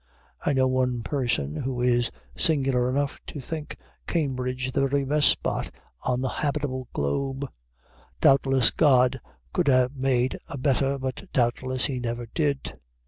I know one person who is singular enough to think Cambridge the very best spot on the habitable globe. "Doubtless God could have made a better, but doubtless he never did."